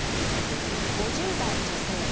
５０代女性。